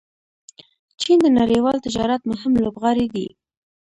چین د نړیوال تجارت مهم لوبغاړی دی.